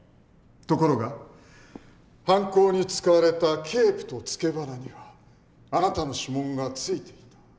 ところが犯行に使われたケープと付け鼻にはあなたの指紋がついていた。